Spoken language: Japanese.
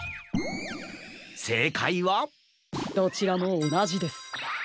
せいかいはどちらもおなじです。